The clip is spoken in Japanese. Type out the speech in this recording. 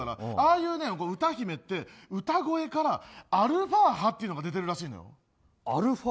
ああいう歌姫って歌声からアルファ波ってのが出てるらしい。